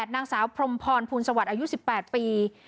๘นางสาวพรมพรภูมิสวรรค์อายุ๑๘ปี